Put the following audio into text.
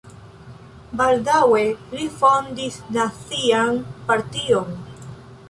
Baldaŭe li fondis nazian partion.